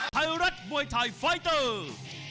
ไทยรัฐมวยไทยไฟเตอร์